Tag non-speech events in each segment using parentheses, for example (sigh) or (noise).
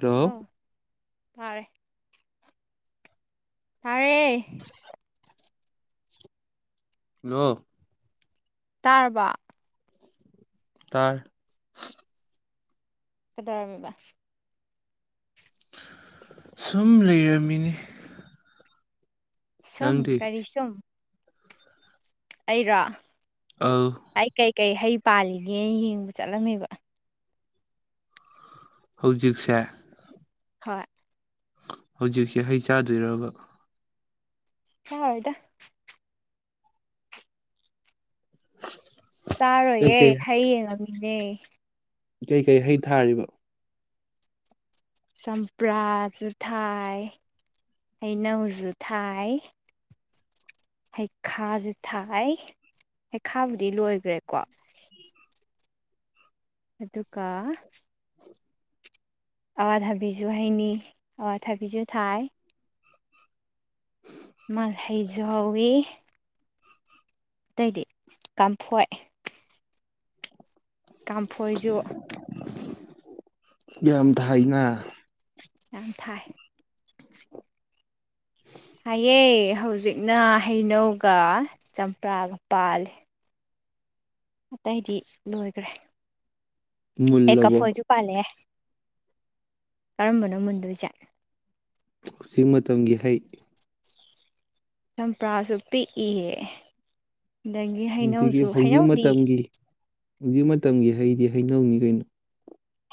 Hello hello ꯇꯥꯔꯦ ꯇꯔꯦ hello ꯇꯥꯔꯕ ꯇꯔ ꯐꯗꯔꯃꯤ ꯁꯨꯝ ꯂꯩꯔꯝꯃꯤꯅꯤ ꯁꯨꯝ ꯅꯪꯗꯤ ꯀꯔꯤ ꯁꯨꯝ ꯑꯩꯔꯥ ꯑꯧ ꯑꯩꯥꯏ ꯀꯥꯏ ꯀꯥꯏ ꯍꯥꯏꯩ ꯄꯥꯜꯂꯤꯒꯦ ꯌꯦꯡꯕ ꯆꯠꯂꯝꯃꯦꯕ ꯍꯧꯖꯤꯛꯁꯦ ꯍꯣꯏ ꯍꯧꯖꯤꯛꯁꯦ ꯍꯩ ꯆꯥꯗꯣꯏꯔꯕ ꯍ ꯍꯣꯏꯗ ꯆꯥꯔꯣꯏꯌꯦꯦ ꯀꯩꯀꯩ ꯍꯌꯦꯡ ꯑꯗꯨꯝ ꯏꯗꯦ ꯀꯩꯀꯩ ꯍꯩ ꯊꯥꯔꯤꯕ ꯆꯝꯄ꯭ꯔꯥꯁꯨ ꯊꯥꯏ ꯍꯩꯅꯧꯁꯨ ꯊꯥꯏ ꯍꯩꯈꯥꯁꯦ ꯊꯥꯏ ꯍꯩꯈꯥꯕꯨꯗꯤ ꯂꯣꯏꯈ꯭ꯔꯦꯀꯣ ꯑꯗꯨꯒ ꯑꯋꯥꯊꯥꯕꯤꯁꯨ ꯍꯩꯅꯤ ꯑꯋꯥꯊꯥꯕꯤꯁꯨ ꯊꯥꯏ ꯎ ꯃꯥꯜ ꯍꯩꯖꯧꯋꯤ ꯑꯇꯩꯗꯤ ꯀꯝꯐꯣꯏ ꯇꯝꯐꯣꯏꯁꯨ ꯌꯥꯝ ꯊꯥꯏꯅ ꯌꯥꯪ ꯊꯥꯏ ꯍꯥꯏꯌꯦ ꯍꯧꯖꯤꯛꯅ ꯍꯩꯅꯧꯒ ꯆꯝꯄ꯭ꯔꯥꯒ ꯄꯥꯜꯂꯤ ꯑꯇꯩꯗꯤ ꯂꯣꯏꯈ꯭ꯔꯦ ꯑꯦ ꯃꯨꯜꯂꯕꯣ ꯐꯧꯖꯤꯨ ꯄꯂꯦ ꯀꯔꯝꯕꯅꯣ ꯃꯨꯟꯗꯣꯏꯁꯦ ꯍꯧꯖꯤꯛ ꯃꯇꯝꯒꯤ ꯍꯩ ꯆꯝꯄ꯭ꯔꯥꯁꯨ ꯄꯤꯛꯏꯍꯦ ꯑꯗꯒꯤ ꯍꯧꯖꯤꯛꯀꯤ ꯍꯩꯅꯧꯁꯨ ꯍꯧꯖꯤꯛ ꯍꯩꯅꯧꯗꯤ ꯃꯇꯝꯒꯤ ꯍꯧꯖꯤꯛ ꯃꯇꯝꯒꯤ ꯍꯩꯗꯤ ꯍꯩꯅꯧꯅꯤ ꯀꯩꯅꯣ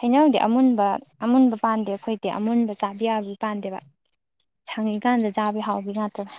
ꯍꯩꯅꯧꯗꯤ ꯑꯃꯨꯟꯕ ꯑꯃꯨꯟꯕ ꯄꯥꯟꯗꯦ ꯑꯩꯈꯣꯏꯗꯤ ꯑꯃꯨꯟꯕ ꯆꯥꯕ ꯌꯥꯕ ꯄꯥꯟꯗꯦꯕ ꯁꯪꯉꯤꯀꯥꯟꯗ ꯆꯥꯕ ꯍꯥꯎꯕꯤ ꯉꯥꯛꯇꯕ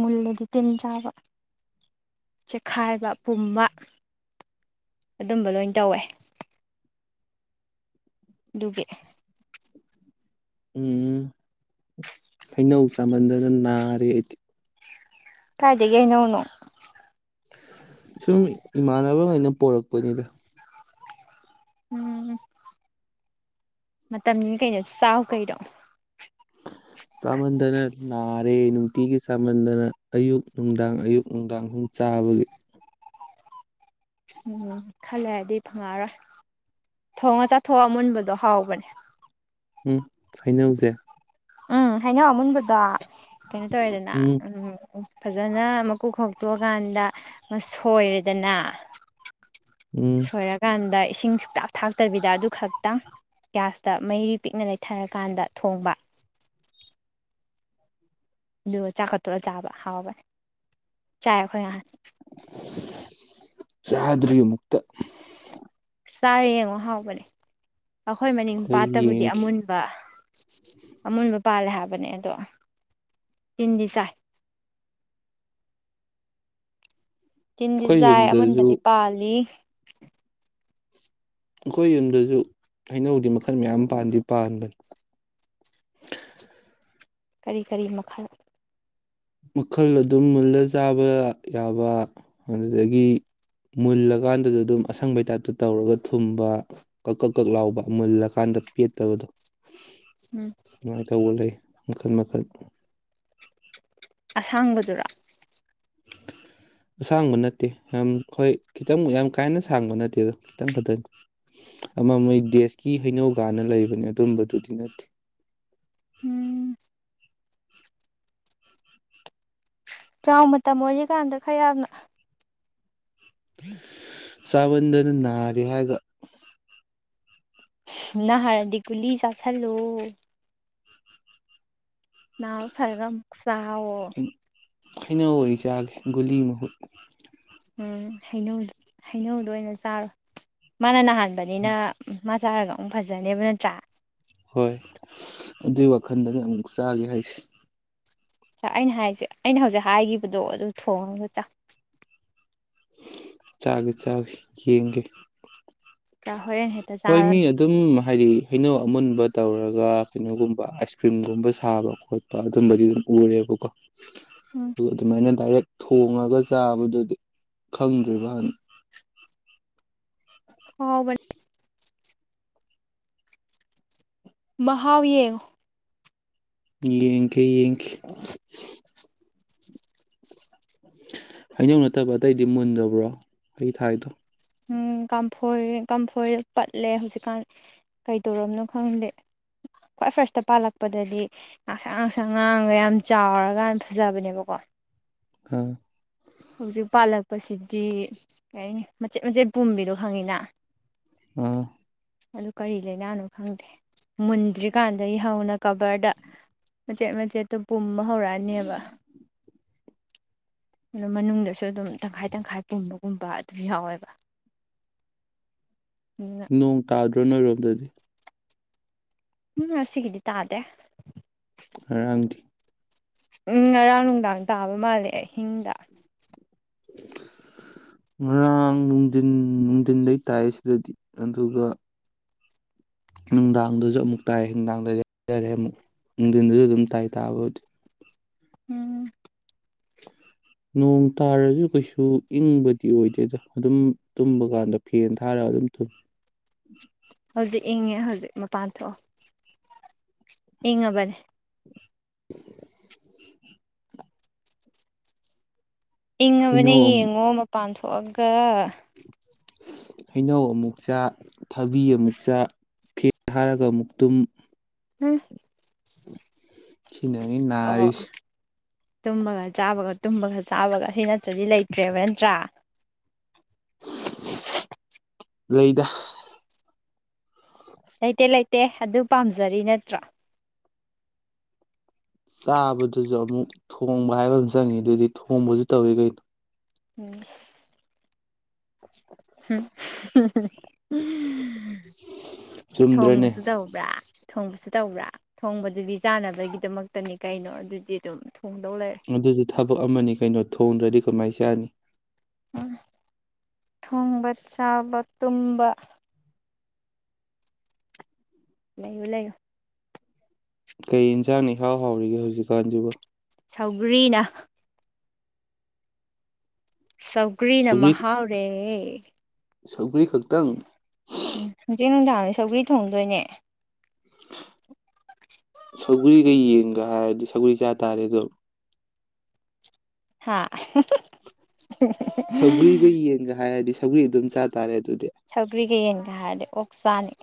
ꯃꯨꯜꯂꯗꯤ ꯇꯤꯟ ꯆꯥꯕ ꯆꯦꯛꯈꯥꯏꯕ ꯄꯨꯝꯕ ꯑꯗꯨꯝꯕ ꯂꯣꯏ ꯇꯧꯋꯦ ꯗꯨꯕꯦ ꯎꯝ ꯑꯩꯅꯧ ꯆꯥꯃꯜꯗꯅ ꯅꯥꯔꯦ ꯑꯩꯗꯤ ꯀꯥꯏꯗꯒꯩꯅꯧꯅ ꯁꯨꯝ ꯏꯃꯥꯟꯅꯕꯉꯩꯅ ꯄꯣꯔꯛꯄꯅꯤꯗ ꯎꯝ ꯃꯇꯝꯁꯤ ꯀꯩꯅꯣ ꯆꯥꯎ ꯀꯩꯅꯣ ꯆꯥꯃꯟꯗꯅ ꯅꯥꯔꯦ ꯅꯨꯡꯇꯤꯒꯤ ꯆꯥꯃꯟꯗꯅ ꯑꯌꯨꯛ ꯅꯨꯡꯗꯥꯡ ꯑꯌꯨꯛ ꯅꯨꯡꯗꯥꯡ ꯑꯍꯨꯝ ꯆꯥꯕꯒꯤ ꯎꯝ ꯈꯜꯂꯦ ꯑꯗꯨꯗꯤ ꯐꯪꯉꯛꯔꯣꯏ ꯊꯣꯡꯉ ꯆꯥꯊꯣꯛꯑ ꯃꯨꯟꯕꯗꯣ ꯍꯥꯎꯕꯅꯦ ꯎꯝ ꯍꯥꯏꯩꯅꯧꯁꯦ ꯎꯝ ꯍꯥꯏꯩꯅꯧ ꯑꯃꯨꯟꯕꯗꯣ ꯀꯩꯅꯣ ꯇꯧꯋꯦꯗꯅ ꯎꯝ ꯎꯝ ꯐꯖꯅ ꯃꯀꯣꯛ ꯈꯣꯛꯇꯣꯛꯑꯀꯥꯟꯗ ꯁꯣꯏꯔꯦꯗꯅ ꯎꯝ ꯁꯣꯏꯔ ꯀꯥꯟꯗ ꯏꯁꯤꯡ ꯁꯨꯛꯇꯥꯛ ꯊꯥꯛꯇꯕꯤꯗ ꯑꯗꯨ ꯈꯛꯇꯪ ꯒ꯭ꯌꯥꯁꯇ ꯃꯩꯔꯤ ꯄꯤꯛꯅ ꯂꯩꯊꯔꯀꯥꯟꯗ ꯊꯣꯡꯕ ꯑꯗꯨꯒ ꯆꯥꯈꯠꯇꯔ ꯆꯥꯕ ꯍꯥꯎꯕꯅꯦ ꯆꯥꯏ ꯑꯩꯈꯣꯏ ꯉꯥꯏꯍꯥꯟ ꯆꯥꯗꯔꯤꯌ ꯃꯨꯛꯇ ꯆꯥꯔꯦ ꯌꯦꯡꯉꯣ ꯍꯥꯎꯕꯅꯦ ꯑꯩꯈꯣꯏ ꯃꯅꯤꯡ ꯑꯩꯈꯣꯏ ꯄꯥꯠꯇꯕꯨꯗꯤ ꯌꯦꯡꯈꯤ ꯑꯃꯨꯟꯕ ꯑꯃꯨꯟꯕ ꯄꯥꯜꯂꯦ ꯍꯥꯏꯕꯅꯦ ꯑꯗꯣ ꯇꯤꯟꯗꯤ ꯆꯥꯏ ꯇꯤꯟꯗꯤ ꯑꯩꯈꯣꯏ ꯆꯥꯏ ꯌꯨꯝꯗꯁꯨ ꯑꯃꯟꯕꯗꯤ ꯄꯥꯜꯂꯤ ꯑꯩꯈꯣꯏ ꯌꯨꯝꯗꯁꯨ ꯍꯩꯅꯧꯗꯤ ꯃꯈꯜ ꯃꯌꯥꯝ ꯄꯥꯟꯗꯤ ꯄꯥꯟꯕꯅꯤ ꯀꯔꯤ ꯀꯔꯤ ꯃꯈꯜ ꯃꯈꯜ ꯑꯗꯨꯝ ꯃꯨꯜꯂ ꯆꯥꯕ ꯌꯥꯕ ꯑꯗꯨꯗꯒꯤ ꯃꯨꯜꯂꯀꯥꯟꯗꯁꯨ ꯑꯗꯨꯝ ꯑꯁꯪꯕꯩ ꯇꯥꯏꯞꯇ ꯇꯧꯔꯒ ꯊꯨꯝꯕ ꯀꯛ ꯀꯛ ꯀꯛ ꯂꯥꯎꯕ ꯃꯨꯜꯂꯀꯥꯟꯗ ꯄꯦꯠꯇꯕꯗꯣ ꯎꯝ ꯃꯥꯏꯅ ꯇꯧꯕ ꯂꯩ ꯃꯈꯜ ꯃꯈꯜ ꯑꯁꯥꯡꯕꯗꯨꯔ ꯑꯁꯥꯡꯕ ꯅꯠꯇꯦ ꯌꯥꯝ ꯍꯣꯏ ꯈꯤꯇꯪ ꯌꯥꯝ ꯀꯥꯏꯅ ꯁꯥꯡꯕ ꯅꯠꯇꯦ ꯑꯗꯣ ꯈꯤꯇꯪ ꯈꯛꯇꯪ ꯑꯃ ꯃꯣꯏ ꯗꯦꯁꯀꯤ ꯍꯩꯅꯧꯒꯥꯟꯅ ꯂꯩꯕꯅꯦ ꯑꯗꯨꯝꯕꯗꯨꯗꯤ ꯅꯠꯇꯦ ꯎꯝ ꯆꯥꯎ ꯃꯇꯝ ꯑꯣꯏꯔꯤꯀꯥꯟꯗ ꯈꯔ ꯌꯥꯝꯅ ꯍꯝ ꯁꯕꯟꯗꯅꯅꯥꯔ ꯍꯥꯏꯒ ꯅꯍꯔꯗꯒꯂꯤ ꯆꯂꯣ ꯅꯅꯥ ꯐꯔꯒ ꯆꯥꯎꯑꯣ ꯈꯩꯅꯧ ꯑꯣꯏ ꯆꯥꯒꯦ ꯒꯨꯂꯤ ꯃꯍꯨꯠ ꯎꯝ ꯍꯩꯅꯧ ꯍꯩꯅꯧꯗꯣ ꯑꯣꯏꯅ ꯆꯥꯔꯣꯏ ꯃꯥꯅ ꯅꯍꯥꯟ ꯅꯤꯅ ꯆꯥꯔꯒ ꯑꯃꯨꯛ ꯐꯖꯅꯦꯕ ꯅꯠꯇ꯭ꯔꯥ ꯍꯣꯏ ꯑꯗꯨꯏ ꯋꯥꯈꯜꯗꯅꯦ ꯑꯃꯨꯛ ꯆꯥꯒꯦ ꯍꯥꯏꯁ ꯥꯛ ꯑꯩꯅ ꯍꯥꯏꯁꯦ ꯑꯩꯅ ꯍꯧꯖꯤꯛ ꯍꯥꯏꯈꯤꯕꯗꯣ ꯑꯗꯨ ꯊꯣꯡꯉꯒ ꯆ ꯆꯥꯛꯒꯦ ꯆꯥꯛ ꯌꯦꯡꯒꯦ ꯆꯥ ꯍꯣꯔꯦꯟ ꯍꯦꯛꯇ ꯍꯣꯏ ꯃꯤ ꯆꯥꯔꯣꯅꯦ ꯑꯗꯨꯝ ꯍꯥꯏꯗꯤ ꯀꯩꯅꯣ ꯑꯃꯨꯟꯕ ꯇꯧꯔꯒ ꯀꯩꯅꯣꯒꯨꯝꯕ ꯑꯥꯏꯁ ꯀ꯭ꯔꯤꯝꯒꯨꯝꯕ ꯁꯥꯕ ꯈꯣꯠꯄ ꯑꯗꯨꯝꯕꯗꯤ ꯑꯗꯨꯝ ꯎꯔꯦꯕꯀꯣ ꯎꯝ ꯑꯗꯨ ꯑꯗꯨꯃꯥꯏꯅ ꯗꯥꯏꯔꯦꯛ ꯊꯣꯡꯉꯒ ꯆꯥꯕꯗꯨꯗꯤ ꯈꯪꯗ꯭ꯔꯤꯕꯅꯤ ꯍꯥꯎ ꯃꯍꯥꯎ ꯌꯦ ꯌꯦꯡ ꯀꯦ ꯌꯦꯡꯈꯤ ꯍꯩꯅꯧ ꯅꯠꯇꯕ ꯑꯇꯩꯗꯤ ꯃꯨꯟꯗꯕ꯭ꯔꯣ ꯑꯩ ꯊꯥꯏꯗꯣ ꯎꯝ ꯀꯥꯡꯝꯐꯣꯏ ꯀꯝꯐꯣꯏꯗ ꯄꯠꯂꯦ ꯍꯧꯖꯤꯛꯀꯥꯟ ꯀꯩꯗꯧꯝꯅꯣ ꯈꯪꯗꯦ ꯈ꯭ꯋꯥꯏ ꯐꯥꯔꯁꯇ ꯄꯥꯜꯂꯛꯄꯗꯗꯤ ꯉꯥꯡꯁꯥꯡ ꯉꯥꯡꯁꯥꯡ ꯉꯥꯡꯒ ꯌꯥꯝ ꯆꯥꯎꯔꯀꯥꯟ ꯐꯖꯕꯅꯦꯕꯀꯣ ꯎꯝ ꯍꯧꯖꯤꯛ ꯄꯥꯜꯂꯛꯄꯁꯤꯗꯤ ꯀꯔꯤ ꯍꯥꯏꯅꯤ ꯃꯆꯦꯠ ꯃꯆꯦꯠ ꯄꯨꯝꯕꯤꯗꯣ ꯈꯪꯉꯤꯅ ꯑꯝ ꯑꯗꯨ ꯀꯔꯤ ꯂꯥꯏꯅꯥꯅꯣ ꯈꯪꯗꯦ ꯃꯨꯟꯗ꯭ꯔꯤꯀꯥꯟꯗꯒꯤ ꯍꯧꯅ ꯀꯕꯔꯗ ꯃꯆꯦꯠ ꯃꯆꯦꯠꯇꯣ ꯄ ꯑꯃ ꯍꯧꯔꯛꯑꯅꯦꯕ ꯑꯣ ꯃꯅꯨꯡꯗꯁꯨ ꯑꯗꯨꯝ ꯇꯪꯈꯥꯏ ꯇꯪꯈꯥꯏ ꯄꯨꯝꯕꯒꯨꯝꯕ ꯑꯗꯨꯝ ꯌꯥꯎꯋꯦꯕ ꯑꯗꯨꯅ ꯅꯣꯡ ꯇꯥꯗ ꯔꯅ ꯔꯣꯝꯗꯗꯤ ꯎꯝ ꯁꯤꯒꯗꯤ ꯇ ꯑꯗꯦ ꯑꯪꯗꯤ ꯎꯝ ꯉꯔꯥꯡ ꯅꯨꯡꯗꯥꯡ ꯇꯥꯕ ꯃꯥꯜꯂꯦ ꯑꯍꯤꯡꯗ ꯉꯔꯥꯡ ꯅꯨꯡꯊꯤꯟ ꯅꯨꯡꯊꯤꯟꯗꯩ ꯇꯥꯏ ꯁꯤꯗꯗꯤ ꯑꯗꯨꯒ ꯅꯨꯡꯗꯥꯡꯗꯁꯨ ꯑꯃꯨꯛ ꯇꯥꯏ ꯍꯅꯨꯡꯗꯥꯡꯗꯗꯤ ꯍꯥꯏꯇꯥꯔꯦ ꯑꯃꯨꯛ ꯅꯨꯡꯊꯤꯟꯗꯁꯨ ꯑꯗꯨꯝ ꯇꯥꯏ ꯇꯥꯕꯗꯤ ꯎꯝ ꯅꯣꯡ ꯇꯥꯔꯁꯨ ꯀꯩꯁꯨ ꯏꯪꯕꯗꯤ ꯑꯣꯏꯗꯦꯗ ꯑꯗꯨꯝ ꯇꯨꯝꯕ ꯀꯥꯟꯗ ꯐꯦꯟ ꯊꯥꯔꯒ ꯑꯗꯨꯝ ꯇꯨꯝꯃꯤ ꯍꯧꯖꯤꯛ ꯏꯪꯉꯦ ꯍꯧꯖꯤꯛ ꯃꯄꯥꯟ ꯊꯣꯛꯑꯣ ꯏꯉꯕꯔꯦ ꯏꯪꯉꯕꯅꯦ ꯍꯩꯅꯧ ꯑꯃꯨꯛ ꯌꯦꯡꯉꯣ ꯃꯄꯥꯟ ꯊꯣꯛ ꯀꯒ ꯍꯩꯅꯧ ꯑꯃꯨꯛ ꯆꯥ ꯊꯕꯤ ꯑꯃꯨꯛ ꯆꯥ ꯐꯦ ꯍꯥꯏꯔꯒ ꯑꯃꯨꯛ ꯇꯨꯝ ꯎꯝ ꯎꯝ ꯁꯤꯅꯉ ꯑꯣ ꯅꯥꯔꯤꯁꯦ ꯇꯨꯝꯕꯒ ꯆꯥꯕꯒ ꯇꯨꯝꯕꯒ ꯆꯥꯕꯒ ꯑꯁꯤ ꯅꯠꯇ꯭ꯔꯗꯤ ꯂꯩꯇ꯭ꯔꯦꯕ ꯅꯠꯇ꯭ꯔꯥ ꯂꯩꯗ ꯂꯩꯇꯦ ꯂꯩꯇꯦ ꯑꯗꯨ ꯄꯥꯝꯖꯔꯤ ꯅꯠꯇ꯭ꯔꯥ ꯆꯥꯕꯗꯨꯁꯨ ꯑꯃꯨꯛ ꯊꯣꯡꯕ ꯍꯥꯏꯕ ꯑꯃ ꯆꯪꯉꯤ ꯑꯗꯨꯗꯤ ꯊꯣꯡꯕꯁꯨ ꯇꯧꯏꯤ ꯀꯩꯅꯣ ꯎꯝ ꯆꯨꯝꯗ꯭ꯔꯅꯦ ꯊꯣꯡꯕꯁꯨ ꯇꯧꯕ꯭ꯔꯥ ꯊꯣꯡꯕꯁꯨ ꯇꯧꯕ꯭ꯔꯥ ꯊꯣꯡꯕꯗꯨꯗꯤ ꯆꯥꯅꯕꯒꯤꯗꯃꯛꯇꯅꯤ ꯀꯩꯅꯣ ꯑꯗꯨꯗꯤ ꯑꯗꯨꯝ ꯊꯣꯡꯗꯧ ꯂꯩꯔꯦ ꯑꯗꯨꯁꯨ ꯊꯕꯛ ꯑꯃꯅꯤ ꯀꯩꯅꯣ ꯊꯣꯡꯗ꯭ꯔꯗꯤ ꯀꯃꯥꯏ ꯆꯥꯅꯤ ꯊꯣꯡꯕ ꯆꯥꯎꯥꯎꯕ ꯇꯨꯝꯕꯥ ꯂꯩꯌ ꯂꯩꯌ ꯀꯩ ꯏꯟꯁꯥꯡꯅꯤ ꯍꯥꯎ ꯍꯥꯎꯔꯤꯒꯦ ꯍꯧꯖꯤꯛꯀꯥꯟꯁꯤꯕꯨ ꯁꯧꯒꯔꯤꯅ ꯁꯧꯒ꯭ꯔꯤꯅ ꯁꯧꯒ꯭ꯔꯤ ꯃꯍꯥꯎꯔꯦ (inaudible) ꯁꯧꯒ꯭ꯔꯤ ꯈꯛꯇꯪ ꯎꯝ ꯍꯧꯖꯤꯛ ꯅꯨꯡꯗꯥꯡꯗ ꯁꯧꯒ꯭ꯔꯤ ꯊꯣꯡꯗꯣꯏꯅꯦ ꯁꯧꯒꯔꯤꯒꯩ ꯌꯦꯟꯒ ꯍꯥꯏꯔꯗꯤ ꯁꯒꯔꯤ ꯆꯥ ꯇꯥꯔꯦ ꯑꯗꯣ ꯍꯥꯥ ꯁꯒꯂꯤ ꯀꯩ ꯌꯦ ꯍ ꯍꯥꯏꯁ ꯁꯧꯔꯤ ꯑꯗꯨꯝ ꯆꯥꯔꯦ ꯁꯧꯒ꯭ ꯀꯌꯦ ꯌꯥꯗꯤ ꯑꯣꯁꯥꯅꯤ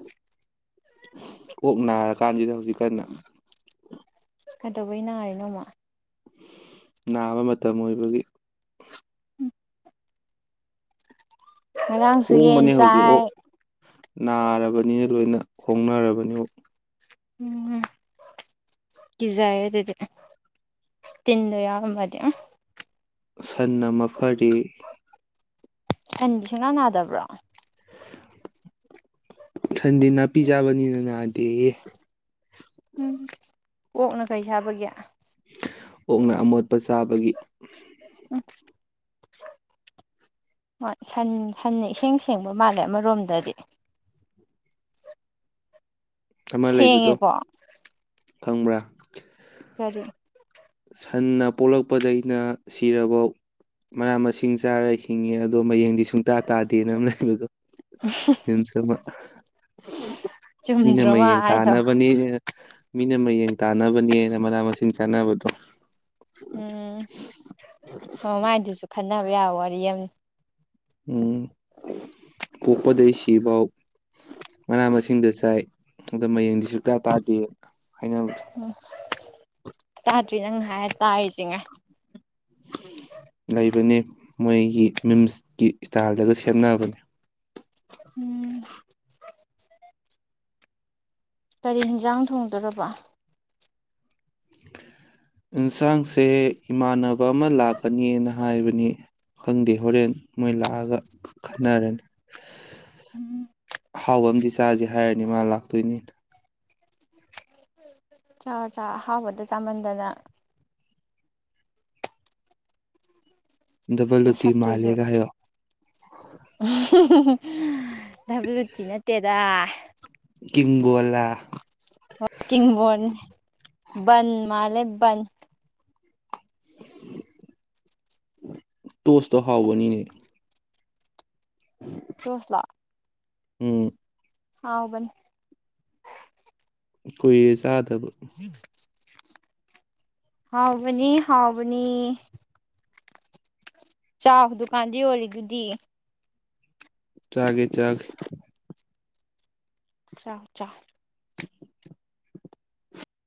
(inaudible) ꯑꯣꯅ ꯀꯥꯟꯁꯤꯗ ꯍꯧꯖꯤꯛ ꯀꯟꯅ ꯀꯩꯗꯧꯕꯩ ꯅꯥꯉꯔ ꯅꯣꯡꯃ ꯅꯥꯕ ꯃꯇꯝ ꯑꯣꯏꯕꯒꯤ ꯉꯔꯥꯡꯁꯨ ꯌꯦꯟ ꯍꯣꯡꯕꯅꯦ ꯍꯧꯖꯤꯛ ꯆꯥꯏ ꯑꯣꯛ ꯅꯥꯔꯕꯅꯤꯅ ꯂꯣꯏꯅ ꯍꯣꯡꯅꯔꯕꯅꯤ ꯑꯣꯛ ꯎꯝ ꯀꯖꯥꯏ ꯑꯗꯨꯗꯤ ꯇꯤꯟꯗꯣ ꯌꯥꯎꯕꯗꯤ ꯑ ꯁꯟꯅ ꯃꯐꯔꯤ ꯍꯟ ꯁꯦꯡꯅꯥ ꯅꯥꯗꯕ꯭ꯔꯣ ꯁꯟꯗꯤ ꯅꯥꯄꯤ ꯆꯥꯕꯅꯤꯅ ꯅꯥꯗꯦ ꯎꯝ ꯀꯣꯛꯅ ꯀꯩ ꯁꯥꯕꯒꯦ ꯑꯣꯛꯅ ꯑꯃꯣꯠꯄ ꯆꯥꯕꯒꯤ ꯟ ꯁꯟ ꯏꯁꯤꯡꯦꯡ ꯁꯦꯡꯕ ꯃꯥꯜꯂꯦ ꯑꯃꯔꯣꯝꯗꯗꯤ ꯑꯃ ꯂꯩꯕꯗꯣ ꯁꯤꯦꯡꯉꯀꯣ ꯈꯪꯕ꯭ꯔꯥ ꯐꯔꯤ ꯁꯟꯅ ꯄꯣꯛꯂꯛꯄꯗꯩꯅ ꯁꯤꯔꯐꯥꯎ ꯃꯅꯥ ꯃꯁꯤꯡ ꯆꯥꯔ ꯍꯤꯡꯉꯦ ꯑꯗꯣ ꯃꯌꯦꯡꯗꯤ ꯁꯨꯡꯇꯥ ꯇꯥꯗꯦꯅ ꯑꯃ ꯂꯩꯕꯗꯣ ꯃꯤꯅ ꯆꯨꯝꯗ꯭ꯔꯣ ꯃꯥ ꯃꯌꯦꯡ ꯍꯥꯏꯗꯣ ꯇꯥꯅꯕꯅꯦ ꯃꯤꯅ ꯃꯌꯦꯡ ꯇꯥꯟꯅꯕꯅꯦꯅ ꯃꯅꯥ ꯃꯁꯤꯡ ꯆꯥꯅꯕꯗꯣ ꯎꯝ ꯍ ꯃꯥꯏꯗꯨꯁꯨ ꯈꯟꯅꯅꯕ ꯌꯥꯎ ꯋꯥꯔꯤ ꯑꯃ ꯎ ꯀꯣꯛꯄꯗ ꯁꯤꯐꯥꯎ ꯃꯅꯥ ꯃꯁꯤꯡꯗ ꯆꯥꯏ ꯑꯗ ꯃꯌꯦꯡꯗꯤ ꯁꯨꯛꯇ ꯇꯥꯗꯦ ꯍꯥꯏꯅꯕꯗꯣ ꯎꯝ ꯇꯥꯗ꯭ꯔꯤ ꯅꯪ ꯍꯥꯏꯔ ꯇꯥꯔꯤꯁꯤꯅꯦ ꯂꯩꯕꯅꯤ ꯃꯣꯏꯒꯤ ꯃꯤꯝꯁꯀꯤ ꯏꯁꯇꯥꯏꯜꯗꯒ ꯁꯦꯝꯦꯅꯕꯅꯤ ꯎꯝ ꯀꯔꯤ ꯌꯦꯟꯖꯥꯡ ꯊꯣꯡꯗꯣꯔꯕ ꯑꯦꯟꯁꯥꯡꯁꯦ ꯏꯃꯥꯟꯅꯕ ꯑꯃ ꯂꯥꯛꯀꯅꯤꯅ ꯍꯥꯏꯕꯅꯤ ꯈꯪꯗꯦ ꯍꯣꯔꯦꯟ ꯃꯣꯏ ꯂꯥꯛꯑꯒ ꯈꯟꯅꯔꯅꯤ ꯑꯍꯥꯎꯕ ꯑꯃꯗꯤ ꯆꯥꯁꯦ ꯍꯥꯏꯔꯅꯤ ꯃꯥ ꯂꯥꯛꯇꯣꯏꯅꯤꯅ ꯆ ꯆ ꯑꯍꯥꯎꯕꯗ ꯆꯥꯃꯟꯗꯅ ꯗꯕꯜꯂꯨꯇꯤ ꯃꯁꯛꯇꯨꯁꯨ ꯃꯥꯜꯂꯦꯒ ꯍꯥꯏꯌꯣ ꯕꯂꯨꯇꯤ ꯅꯠꯇꯦꯗ ꯍ ꯀꯒꯣꯂꯥ ꯟ ꯃꯥꯂꯦ ꯟ ꯇꯣꯁꯇ ꯍꯥꯎꯕꯅꯤꯅꯦ ꯇꯣꯁꯂꯥꯛ ꯎꯝ ꯍꯥꯎꯕꯅꯤ ꯀꯣꯏ ꯆꯥꯗ ꯇꯕ ꯍꯥꯎꯕꯅꯤ ꯍꯥꯎꯕꯅꯤ ꯆꯥꯛ ꯗꯨꯀꯥꯟꯗ ꯌꯣꯜꯂꯤꯦꯗꯨꯗꯤ ꯆꯥꯒꯦ ꯆꯒ ꯆꯥꯎ ꯆꯎ꯫ (inaudible) (inaudible)